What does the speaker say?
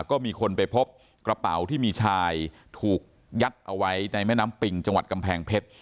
ก็มีคนไปพบกระเป๋าที่มีชายถูกยัดเอาไว้ในแม่น้ำปิงจังหวัดกำแพงเพชร